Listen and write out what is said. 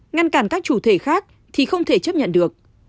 ngăn cản các chủ thể khác thì không thể chấp nhận được